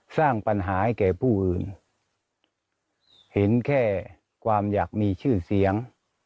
สร้างปัญหาให้แก่ผู้อื่นเห็นแค่ความอยากมีชื่อเสียง